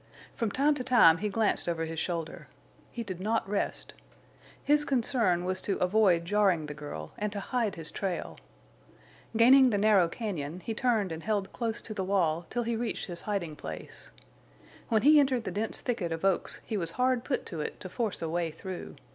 From time to time he glanced over his shoulder. He did not rest. His concern was to avoid jarring the girl and to hide his trail. Gaining the narrow cañon, he turned and held close to the wall till he reached his hiding place. When he entered the dense thicket of oaks he was hard put to it to force a way through.